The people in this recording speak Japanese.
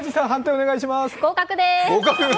合格です。